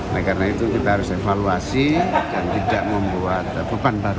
nah karena itu kita harus evaluasi dan tidak membuat beban baru